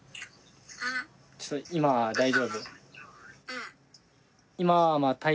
ちょっと今大丈夫？